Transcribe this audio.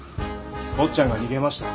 坊ちゃんが逃げました。